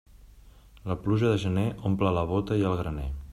La pluja de gener omple la bóta i el graner.